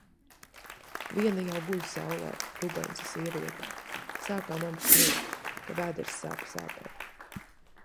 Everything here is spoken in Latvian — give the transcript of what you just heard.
Viena jau guļ saulē – Rubensa sieviete. Sākām abi smiet, ka vēders sāka sāpēt.